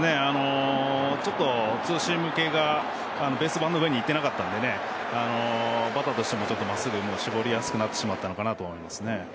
ちょっと、ツーシーム系がベース板の上に行ってなかったのでバッターとしてもまっすぐに絞りやすくなってしまったのかなと思いますね。